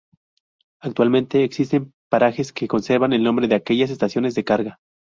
Actualmente existen parajes que conservan el nombre de aquellas estaciones de carga.